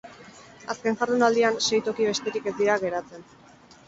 Azken jardunaldian sei toki besterik ez dira geratzen.